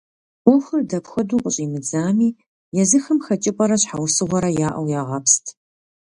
Ӏуэхур дапхуэдэу къыщӏимыдзами, езыхэм хэкӏыпӏэрэ щхьэусыгъуэрэ яӏэу ягъэпст.